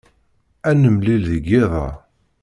Ad nemlil deg yiḍ-a.